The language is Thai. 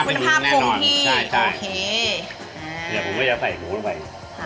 เดี๋ยวผมก็จะใส่หมูลงไป